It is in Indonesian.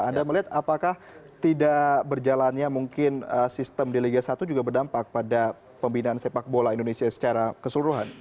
anda melihat apakah tidak berjalannya mungkin sistem di liga satu juga berdampak pada pembinaan sepak bola indonesia secara keseluruhan